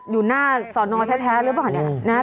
อยู่หน้าส่อนครอบครัวแท้รึเปล่า